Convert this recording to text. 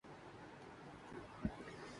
ایک جزو نظری اور فکری ہے۔